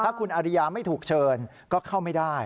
ถ้าคุณอริยาไม่ถูกเชิญก็เข้าไม่ได้